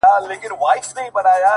غواړم چي ديدن د ښكلو وكړمـــه-